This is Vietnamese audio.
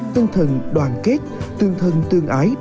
tương thân đoàn kết tương thân tương ái